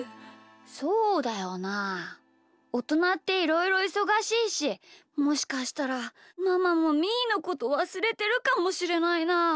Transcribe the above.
そうだよなあおとなっていろいろいそがしいしもしかしたらママもみーのことわすれてるかもしれないな。